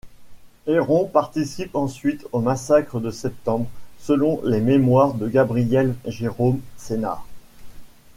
Héron participe ensuite aux massacres de Septembre, selon les mémoires de Gabriel Jérôme Sénar.